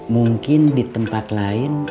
mungkin di tempat lain